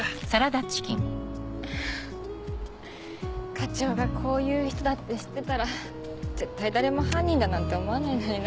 課長がこういう人だって知ってたら絶対誰も犯人だなんて思わないのにな。